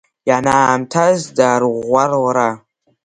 Ианаамҭаз дарыӷәӷәар лара…